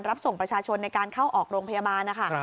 รับส่งประชาชนในการเข้าออกโรงพยาบาลนะคะ